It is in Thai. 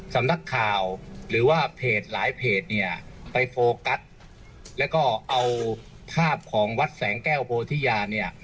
สำนักข่าวหรือว่าเพจหลายเพจเนี่ยไปโฟกัสแล้วก็เอาภาพของวัดแสงแก้วโพธิยาเนี่ย